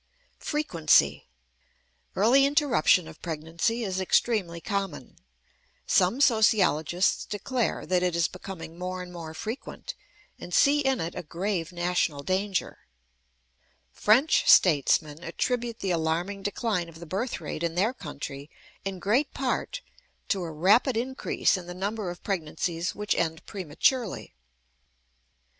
FREQUENCY. Early interruption of pregnancy is extremely common. Some sociologists declare that it is becoming more and more frequent, and see in it a grave national danger. French statesmen attribute the alarming decline of the birth rate in their country, in great part, to a rapid increase in the number of pregnancies which end prematurely.